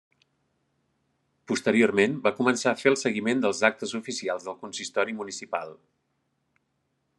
Posteriorment va començar a fer el seguiment dels actes oficials del consistori municipal.